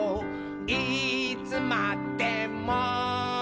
いつまでも」